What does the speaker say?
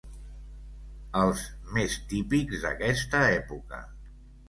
Els més típics d’aquesta època.